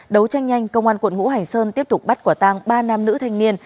đấu tranh nhanh công an quận ngũ hành sơn tiếp tục bắt quả tang ba nam nữ thanh niên